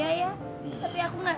harusnya kan aku bahagia ya